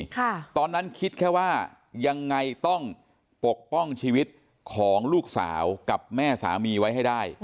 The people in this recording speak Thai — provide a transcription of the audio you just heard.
ตอนนั้นคิดแค่ว่ายังไงต้องปกป้องชีวิตของลูกสาวกับแม่สามีไว้ให้ได้